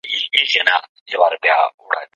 ډاکتران د څار زیاتولو غوښتنه کوي.